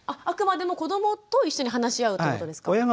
あくまでも子どもと一緒に話し合うってことですか。